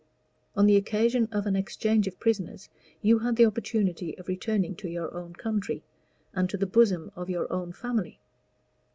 On the occasion of an exchange of prisoners you had the opportunity of returning to your own country, and to the bosom of your own family.